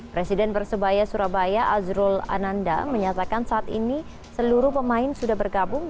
presiden persebaya surabaya azrul ananda menyatakan saat ini seluruh pemain sudah bergabung